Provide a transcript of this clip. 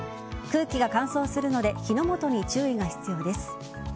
空気が乾燥するので火の元に注意が必要です。